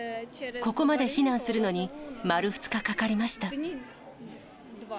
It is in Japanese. ここまで避難するのに丸２日かかりました。